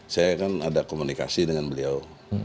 saya kan ada komunikasi dengan beliau